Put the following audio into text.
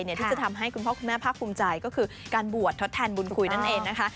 ที่จะทำให้คุณพ่อคุณแม่ภาคภูมิใจก็คือการบวชทดแทนบุญคุยนั่นเองนะคะ